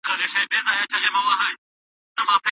تاسو بايد د بې ځايه جذبو پر ځای په عقل تکيه وکړئ.